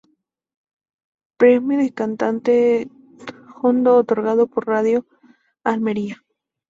Premio de Cante Jondo otorgado por Radio Almería.